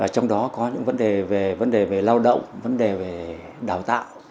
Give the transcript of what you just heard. trong đó có những vấn đề về lao động vấn đề về đào tạo